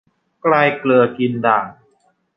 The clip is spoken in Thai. ใกล้เกลือกินด่าง